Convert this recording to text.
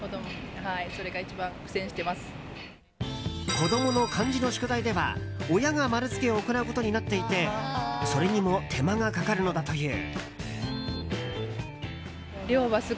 子供の漢字の宿題では、親が丸つけを行うことになっていてそれにも手間がかかるのだという。